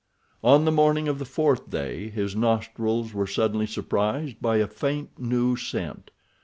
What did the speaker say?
On the morning of the fourth day his nostrils were suddenly surprised by a faint new scent.